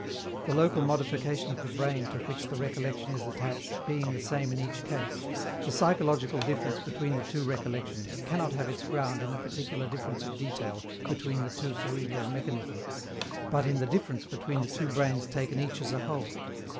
The local modification of the brain to which the recollection is attached being the same in each case, the psychological difference between the two recollections cannot have its ground in a particular difference of detail between the two cerebral mechanisms, but in the difference between the two brains taken each as a whole.